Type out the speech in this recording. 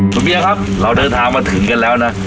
คุณเมียครับเราเดินทางมาถึงกันแล้วนะ